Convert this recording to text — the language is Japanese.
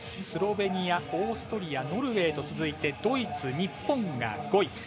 スロベニア、オーストリアノルウェーと続いてドイツ、日本が５位。